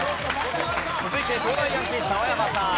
続いて東大ヤンキー澤山さん。